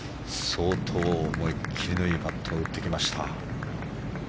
相当、思い切りのいいパットを打ってきました。